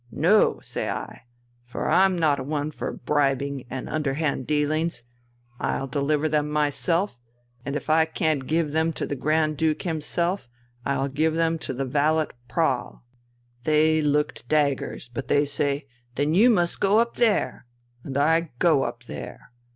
'No,' say I, for I'm not a one for bribing and underhand dealings, 'I'll deliver them myself, and if I can't give them to the Grand Duke himself, I'll give them to Valet Prahl.' They looked daggers, but they say: 'Then you must go up there!' And I go up there.